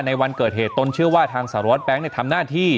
วันเกิดเหตุตนเชื่อว่าทางสารวัตรแบงค์ทำหน้าที่